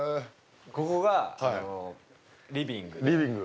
ここがリビング。